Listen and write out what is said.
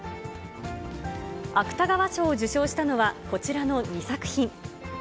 芥川賞を受賞したのは、こちらの２作品。